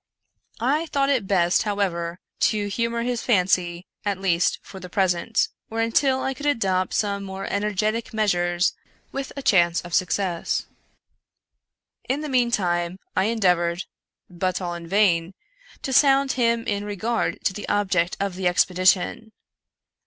I thought it best, however, to humor his fancy, at least for the present, or until I could adopt some more energetic measures with a chance of suc cess. In the meantime I endeavored, but all in vain, to sound him in regard to the object of the expedition.